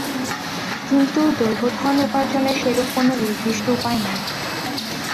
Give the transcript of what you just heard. কিন্তু দৈবধন উপার্জনের সেরূপ কোনো নির্দিষ্ট উপায় নাই।